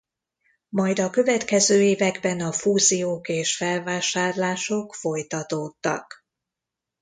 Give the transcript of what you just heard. Majd a következő években a fúziók és felvásárlások folytatódtak.